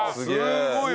すごいわ。